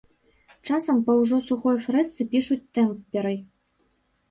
Часам па ўжо сухой фрэсцы пішуць тэмперай.